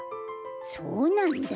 そうなんだ。